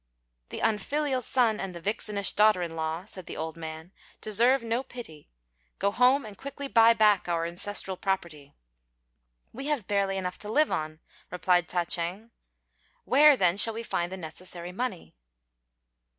"The unfilial son and the vixenish daughter in law," said the old man, "deserve no pity. Go home and quickly buy back our ancestral property." "We have barely enough to live upon," replied Ta ch'êng; "where, then, shall we find the necessary money?"